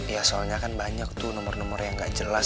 ya soalnya kan banyak tuh nomor nomor yang nggak jelas